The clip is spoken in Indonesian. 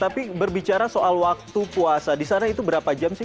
tapi berbicara soal waktu puasa di sana itu berapa jam sih